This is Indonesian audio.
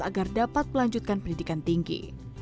agar dapat melanjutkan pendidikan tinggi